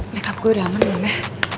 make up gue udah aman belum ya